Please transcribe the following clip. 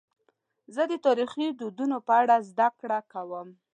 زه د تاریخي دودونو په اړه زدهکړه کوم.